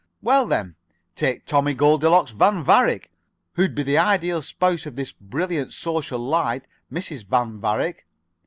Well, then, take Tommie Goldilocks Van Varick, who'd be the Ideal Spouse of this brilliant social light Mrs. Van Varick.